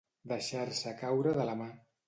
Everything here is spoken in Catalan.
Deixar-se caure de la mà.